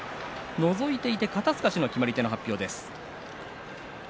のぞいていて肩すかしの決まり手の発表です。